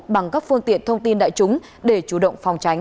bằng các phương tiện thông tin đại chúng để chủ động phòng tránh